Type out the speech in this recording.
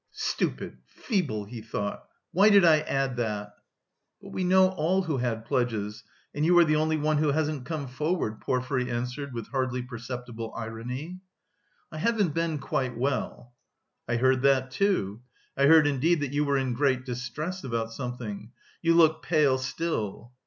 "Stupid! Feeble!" he thought. "Why did I add that?" "But we know all who had pledges, and you are the only one who hasn't come forward," Porfiry answered with hardly perceptible irony. "I haven't been quite well." "I heard that too. I heard, indeed, that you were in great distress about something. You look pale still."